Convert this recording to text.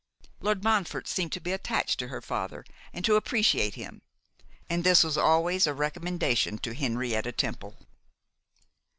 Lord Montfort seemed to be attached to her father, and to appreciate him. And this was always a recommendation to Henrietta Temple.